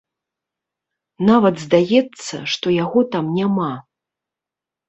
Нават здаецца, што яго там няма.